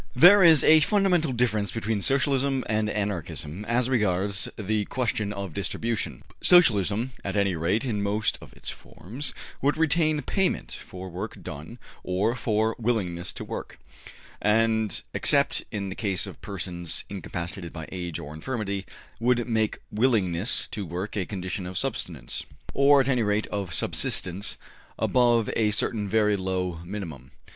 There is a fundamental difference between Socialism and Anarchism as regards the question of distribution. Socialism, at any rate in most of its forms, would retain payment for work done or for willingness to work, and, except in the case of persons incapacitated by age or infirmity, would make willingness to work a condition of subsistence, or at any rate of subsistence above a certain very low minimum.